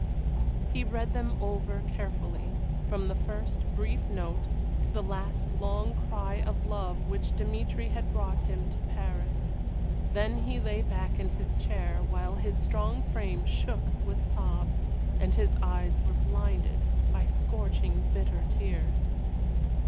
He read them over carefully, from the first brief note to the last long cry of love which Dmitry had brought him to Paris. Then he lay back in his chair, while his strong frame shook with sobs, and his eyes were blinded by scorching, bitter tears.